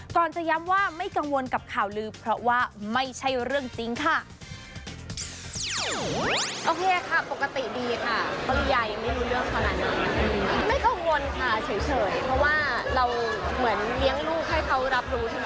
ก่อนจะย้ำว่าไม่กังวลกับข่าวลือเพราะว่าไม่ใช่เรื่องจริงค่ะ